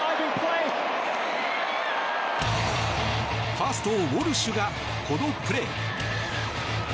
ファースト、ウォルシュがこのプレー。